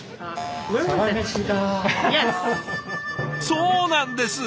そうなんです！